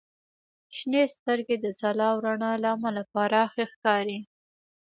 • شنې سترګې د ځلا او رڼا له امله پراخې ښکاري.